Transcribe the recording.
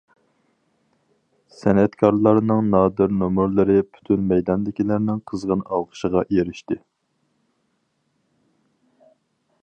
سەنئەتكارلارنىڭ نادىر نومۇرلىرى پۈتۈن مەيداندىكىلەرنىڭ قىزغىن ئالقىشىغا ئېرىشتى.